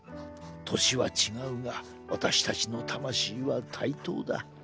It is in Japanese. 年は違うが私たちの魂は対等だ。